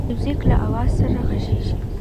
موزیک له آواز سره غږیږي.